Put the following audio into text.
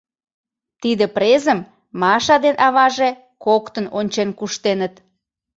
Тиде презым Маша ден аваже коктын ончен куштеныт.